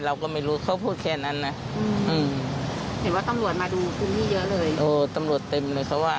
เราก็ไม่รู้เขาพูดแค่นั้นนะอืมเห็นว่าตำรวจมาดูพื้นที่เยอะเลยโอ้ตำรวจเต็มเลยเขาว่า